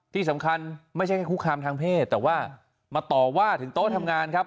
ที่สำคัญไม่ใช่แค่คุกคามทางเพศแต่ว่ามาต่อว่าถึงโต๊ะทำงานครับ